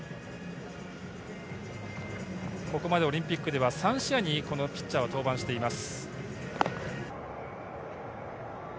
ここまでオリンピックでは３試合に、このピッチャーを登板しています。